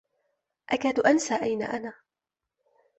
أكاد أنسى أين أنا.